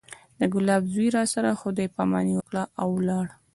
د ګلاب زوى راسره خداى پاماني وکړه او ولاړ.